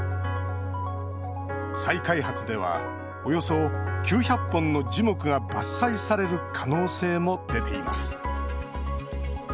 再開発ではおよそ９００本の樹木が伐採される可能性も出ています。